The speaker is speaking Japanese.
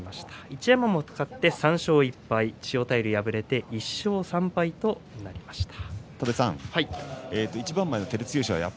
一山本、勝って３勝１敗千代大龍に敗れて１勝３敗と変わりました。